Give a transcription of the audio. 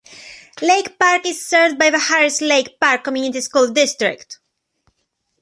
Lake Park is served by the Harris-Lake Park Community School District.